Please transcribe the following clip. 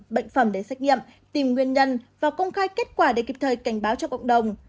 bệnh phẩm để xét nghiệm tìm nguyên nhân và công khai kết quả để kịp thời cảnh báo cho cộng đồng